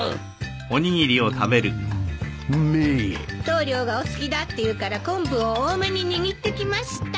棟梁がお好きだっていうから昆布を多めに握ってきました。